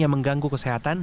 yang mengganggu kesehatan